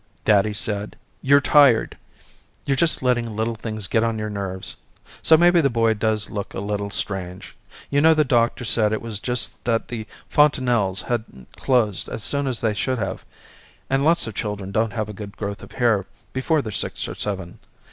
Daddy said you're tired, you're just letting little things get on your nerves. So maybe the boy does look a little strange, you know the doctor said it was just that the fontanelles hadn't closed as soon as they should have and lots of children don't have a good growth of hair before they're six or seven.